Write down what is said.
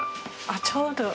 ああちょうど。